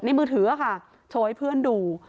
มือถือค่ะโชว์ให้เพื่อนดู